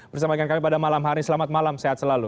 bersama dengan kami pada malam hari selamat malam sehat selalu